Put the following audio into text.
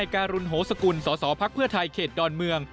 การุญโษสกุลสมาษาเพื่อไทยเขตดอนเมือง